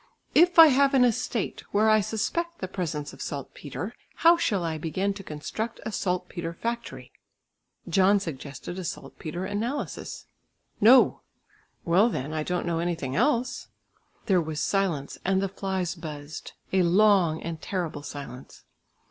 "If I have an estate, where I suspect the presence of saltpetre, how shall I begin to construct a saltpetre factory?" John suggested a saltpetre analysis. "No." "Well, then, I don't know anything else." There was silence and the flies buzzed, a long and terrible silence.